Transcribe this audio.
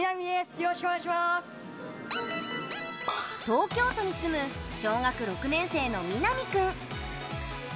東京都に住む小学６年生の、みなみ君。